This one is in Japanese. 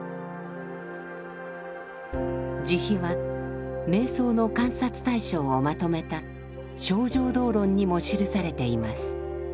慈悲は瞑想の観察対象をまとめた「清浄道論」にも記されています。